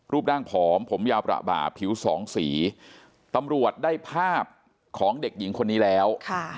รูปร่างผอมผมยาวประบาผิวสองสีตำรวจได้ภาพของเด็กหญิงคนนี้แล้ว